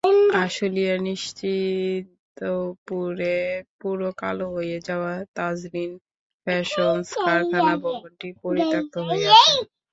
আশুলিয়ার নিশ্চিন্তপুরে পুড়ে কালো হয়ে যাওয়া তাজরীন ফ্যাশনস কারখানা ভবনটি পরিত্যক্ত হয়ে আছে।